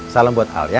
salem buat al ya